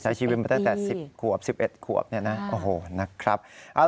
ใช้ชีวิตมาตั้งแต่๑๐ขวบ๑๑ขวบเนี่ยนะโอ้โหนะครับ